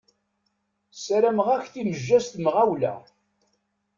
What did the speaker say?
Sarameɣ-ak timejja s temɣawla.